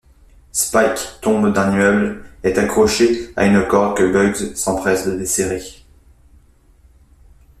Spike tombe d'un immeuble est accroché à une corde que Bugs s'empresse de desserrer.